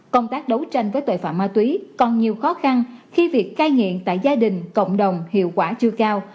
công tác đấu tranh với tội phạm ma túy còn nhiều khó khăn khi việc cai nghiện tại gia đình cộng đồng hiệu quả chưa cao